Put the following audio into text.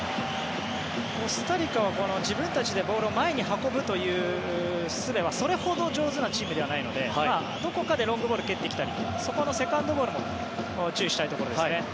コスタリカは自分たちでボールを前に運ぶというのはそれほど上手なチームではないのでどこかでロングボールを蹴ってきたりそこのセカンドボールも注意したいところですね。